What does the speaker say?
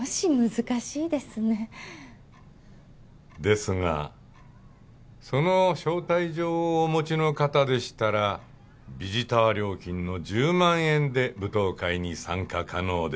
ですがその招待状をお持ちの方でしたらビジター料金の１０万円で舞踏会に参加可能です。